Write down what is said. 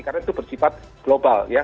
karena itu bersifat global ya